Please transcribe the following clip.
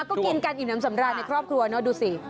ก็กินกันอิ่มน้ำสำราญในครอบครัวเนอะดูสิ